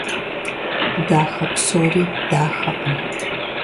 Дахэ псори дахэкъым.